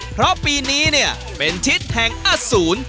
เพราะปีนี้เนี่ยเป็นชิดแห่งอสูร